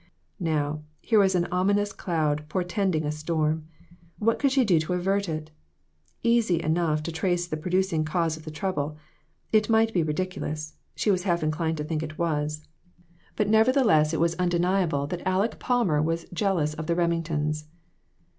Now, here was an ominous cloud portending a storm. What could she do to avert it ? Easy enough to trace the producing cause of the trouble. It might be ridiculous she was half inclined to think it was but nevertheless it was READY TO MAKE SACRIFICES. 247 undeniable that Aleck Palmer was jealous of the Remingtons.